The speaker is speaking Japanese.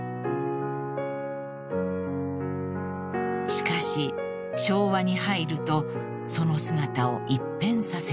［しかし昭和に入るとその姿を一変させます］